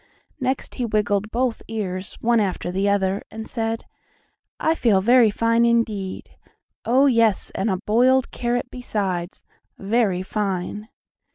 Next he wiggled both ears, one after the other, and said: "I feel very fine indeed! Oh, yes, and a boiled carrot besides, very fine!"